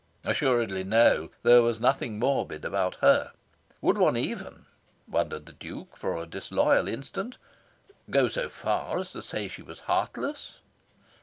Assuredly no, there was nothing morbid about her. Would one even (wondered the Duke, for a disloyal instant) go so far as to say she was heartless?